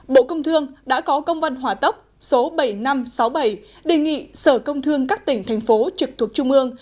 bộ công thương đã có công văn hỏa tốc số bảy nghìn năm trăm sáu mươi bảy đề nghị sở công thương các tỉnh thành phố trực thuộc trung ương